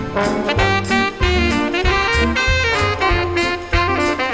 สวัสดีครับ